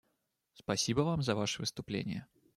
Спасибо Вам за Ваше выступление.